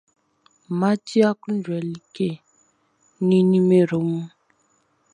Math ti aklunjuɛ like nin nimero mun.